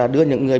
đưa những người